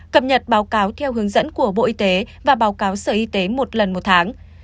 cập nhật báo cáo theo hướng dẫn của bộ y tế và báo cáo sở y tế một lần một tháng